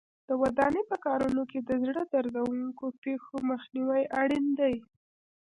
د ودانۍ په کارونو کې د زړه دردوونکو پېښو مخنیوی اړین دی.